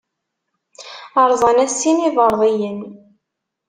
Rẓan-as sin iberḍiyen.